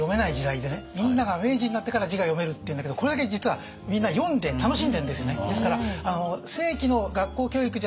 みんなが明治になってから字が読めるっていうんだけどこれだけ実はみんな読んで楽しんでんですね。